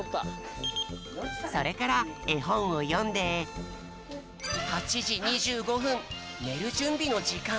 それからえほんをよんで８じ２５ふんねるじゅんびのじかん。